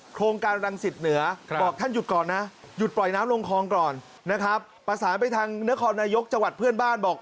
โครงการรังสิตเหนือบอกท่านหยุดก่อนนะหยุดปล่อยน้ำลงคลองก่อนนะครับประสานไปทางนครนายกจังหวัดเพื่อนบ้านบอก